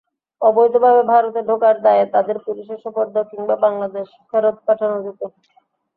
অবৈধভাবে ভারতে ঢোকার দায়ে তাঁদের পুলিশে সোপর্দ কিংবা বাংলাদেশে ফেরত পাঠানো যেত।